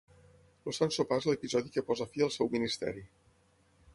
El Sant Sopar és l'episodi que posa fi al seu ministeri.